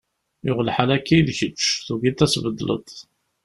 Yuɣ lḥal akka i d kečč, tugiḍ ad tbeddleḍ.